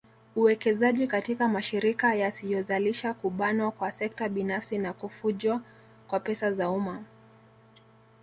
uwekezaji katika mashirika yasiyozalisha kubanwa kwa sekta binafsi na kufujwa kwa pesa za umma